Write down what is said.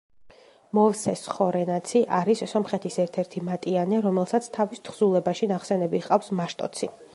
მოვსეს ხორენაცი არის სომხეთის ერთ-ერთი მატიანე, რომელსაც თავის თხზულებაში ნახსენები ჰყავს მაშტოცი.